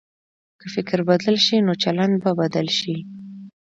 که فکر بدل شي، نو چلند به بدل شي.